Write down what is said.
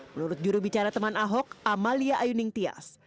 menurut jurubicara teman ahok amalia ayuning tias